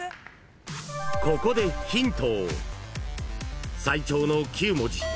［ここでヒント］